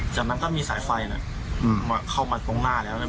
จากนั้นก็มีสายไฟเข้ามาตรงหน้าแล้ว